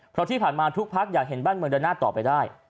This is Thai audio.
เพราะที่ผ่านมาทุกพักอยากเห็นบ้านเมืองเดินหน้าต่อไปได้